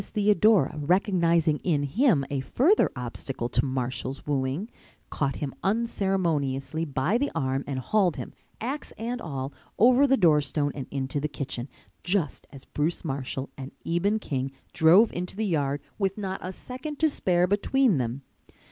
Theodora recognizing in him a further obstacle to Marshall's wooing, caught him unceremoniously by the arm and hauled him, axe and all, over the doorstone and into the kitchen, just as Bruce Marshall and Eben King drove into the yard with not a second to spare between them.